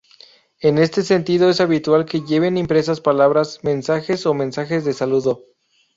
En este sentido, es habitual que lleven impresas palabras, mensajes o mensajes de saludo.